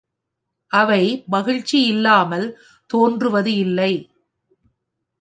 அவை மகிழ்ச்சி இல்லாமல் தோன்றுவது இல்லை.